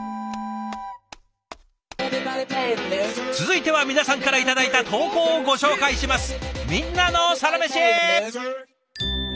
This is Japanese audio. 続いては皆さんから頂いた投稿をご紹介します。